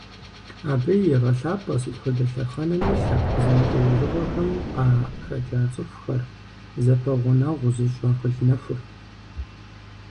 Абы егъэлъапӀэ сыт хуэдэ лъэхъэнэми лъэпкъ зэмылӀэужьыгъуэхэм къахэкӀа цӀыхухэр зэпэгъунэгъу зыщӀ акъыл нэхур.